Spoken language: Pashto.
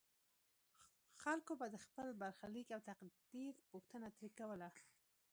خلکو به د خپل برخلیک او تقدیر پوښتنه ترې کوله.